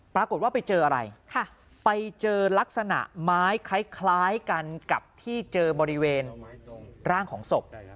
ปรากฏว่าไปเจออะไรไปเจอลักษณะไม้คล้ายกันกับที่เจอบริเวณร่างของศพ